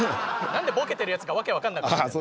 何でボケてるやつが訳分かんなくなってる。